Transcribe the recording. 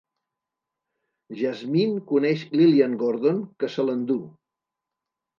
Jasmine coneix Lillian Gordon, que se l'endú.